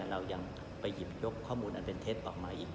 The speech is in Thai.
เรายังไปหยิบยกข้อมูลอันเป็นเท็จออกมาอีก